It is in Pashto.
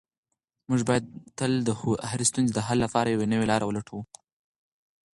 موږ باید تل د هرې ستونزې د حل لپاره یوه نوې لاره ولټوو.